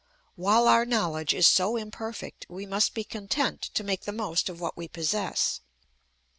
While our knowledge is so imperfect we must be content to make the most of what we possess.